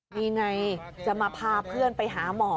นี่ไงจะมาพาเพื่อนไปหาหมอ